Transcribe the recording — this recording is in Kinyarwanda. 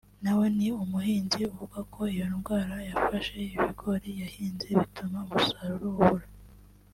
na we ni umuhinzi uvuga ko iyo ndwara yafashe ibigori yahinze bituma umusaruro ubura